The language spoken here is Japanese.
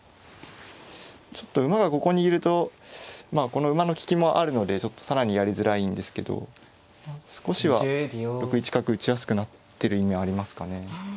ちょっと馬がここにいるとまあこの馬の利きもあるのでちょっと更にやりづらいんですけど少しは６一角打ちやすくなってる意味はありますかね。